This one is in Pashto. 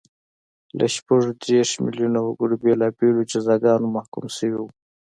له شپږ دېرش میلیونه وګړي بېلابېلو جزاګانو محکوم شوي وو